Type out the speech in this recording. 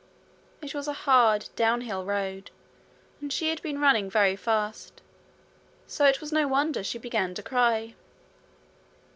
It was a hard downhill road, and she had been running very fast so it was no wonder she began to cry.